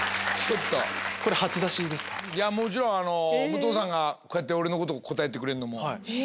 武藤さんがこうやって俺のこと応えてくれるのも。